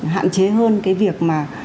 hạn chế hơn việc